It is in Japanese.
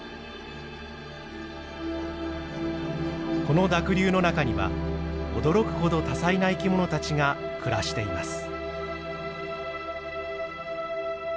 この濁流の中には驚くほど多彩な生き物たちが暮らしています。